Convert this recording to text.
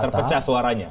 akan terpecah suaranya